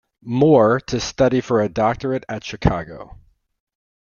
Moore to study for a doctorate at Chicago.